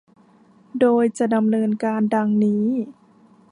โดยจะดำเนินการ ดังนี้